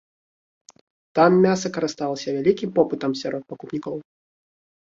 Там мяса карысталася вялікім попытам сярод пакупнікоў.